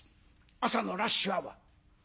朝のラッシュアワー。